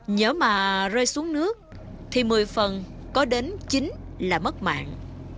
nhớ mà rơi xuống nước thì mười phần có đến chính là mất mạng